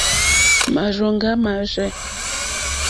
Márzòŋɡá mâ rzɛ̂.